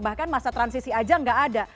bahkan masa transisi aja nggak ada